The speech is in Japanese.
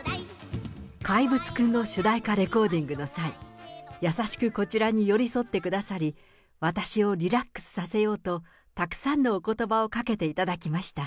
怪物くんの主題歌レコーディングの際、優しくこちらに寄り添ってくださり、私をリラックスさせようと、たくさんのおことばをかけていただきました。